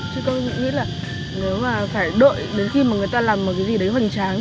chứ tôi nghĩ là nếu mà phải đợi đến khi mà người ta làm một cái gì đấy hoành tráng thì nó hơi muộn